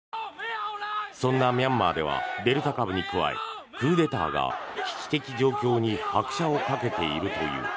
そんなミャンマーではデルタ株に加えクーデターが危機的状況に拍車をかけているという。